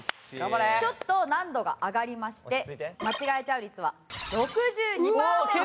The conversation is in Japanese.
ちょっと難度が上がりまして間違えちゃう率は６２パーセントの問題です。